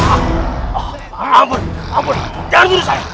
ampun ampun jangan bunuh saya